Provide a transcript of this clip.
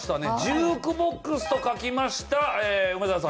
ジュークボックスと書きました梅沢さん。